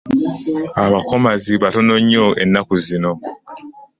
Abakomazi batono nnyo ennaku zino.